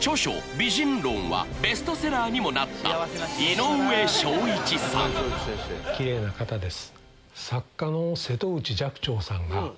『美人論』はベストセラーにもなった井上さんのこれです。